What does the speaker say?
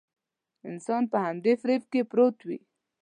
انسان په همدې فريب کې پروت وي.